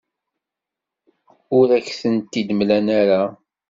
Ur ak-tent-id-mlan ara.